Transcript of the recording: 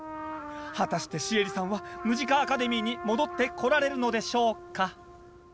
果たしてシエリさんはムジカ・アカデミーに戻ってこられるのでしょうか？